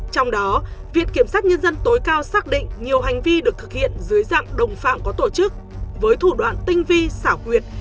trong đó viện kiểm sát nhân dân tối cao xác định nhiều hành vi được thực hiện dưới dạng đồng phạm có tổ chức với thủ đoạn tinh vi xảo quyệt